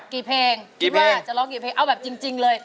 กี่เพลงคิดว่าจะร้องกี่เพลงเอาแบบจริงเลย